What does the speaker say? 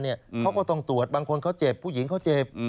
เขาก็ต้องตรวจบางคนเขาเจ็บผู้หญิงเขาเจ็บ